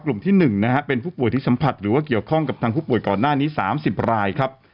ที่๑นะฮะเป็นผู้ป่วยที่สัมผัสหรือว่าเกี่ยวข้องกับทางผู้ป่วยก่อนหน้านี้๓๐รายครับ